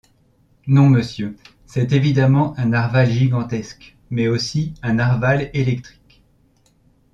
Non, monsieur, c’est évidemment un narwal gigantesque, mais aussi un narwal électrique.